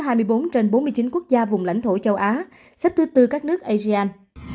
tổng số ca tử vong trên bốn mươi chín quốc gia và vùng lãnh thổ châu á xếp thứ bốn các nước asian